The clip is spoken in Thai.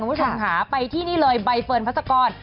คุณผู้ชมค่ะไปที่นี่เลยใบเฟิร์นพัศกร